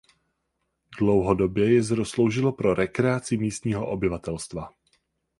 Dlouhodobě jezero sloužilo pro rekreaci místního obyvatelstva.